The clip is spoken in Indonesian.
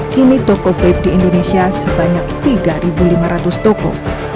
kini toko vape di indonesia sebanyak tiga lima ratus toko